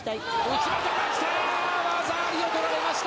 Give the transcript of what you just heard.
内股が来た！